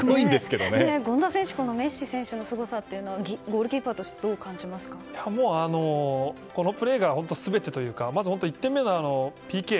権田選手、メッシ選手のすごさはゴールキーパーとしてこのプレーが全てというかまず１点目のＰＫ。